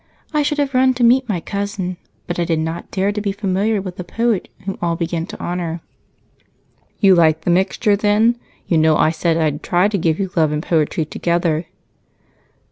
I should have run to meet my cousin, but I did not dare to be familiar with the poet whom all begin to honor." "You like the mixture, then? You know I said I'd try to give you love and poetry together."